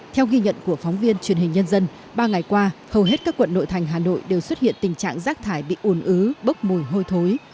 theo ghi nhận của phóng viên truyền hình nhân dân ba ngày qua hầu hết các quận nội thành hà nội đều xuất hiện tình trạng rác thải bị ồn ứ bốc mùi hôi thối